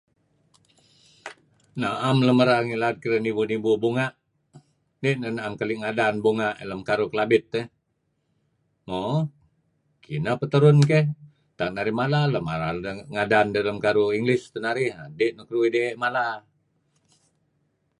Na'em lun merar ngilad kedideh nibu-nibu bunga'. Nih na'em kekeli' ngadan bunga' lem karuh Kelabit eh. Mo kineh peh terun keh renga' narih mala ngadan deh lem karuh English teh narih kadi' keduih di'e' mala.